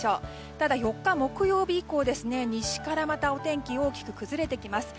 ただ４日、木曜日以降は西からまた、お天気が大きく崩れてきます。